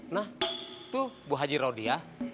nah tuh bu haji rodia